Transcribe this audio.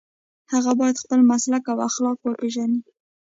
هغه باید خپل مسلک او اخلاق وپيژني.